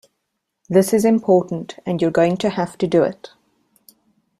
'This is important, and you're going to have to do it.